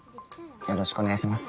よろしくお願いします。